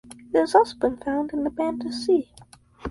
It has also been found in the Banda Sea.